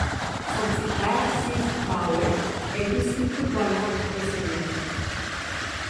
Son petit frère Cees Paauwe est aussi footballeur professionnel.